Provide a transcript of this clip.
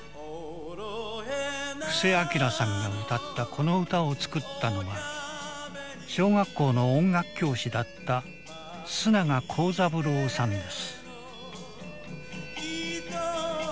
布施明さんが歌ったこの歌を作ったのは小学校の音楽教師だった須永幸三郎さんです。